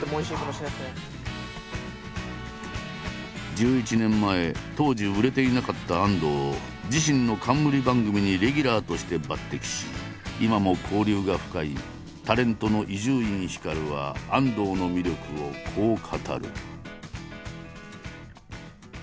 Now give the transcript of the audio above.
１１年前当時売れていなかった安藤を自身の冠番組にレギュラーとして抜てきし今も交流が深いタレントの伊集院光は安藤の魅力をこう語る。